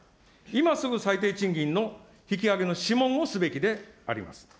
今すぐ最低賃金の引き上げの諮問をすべきであります。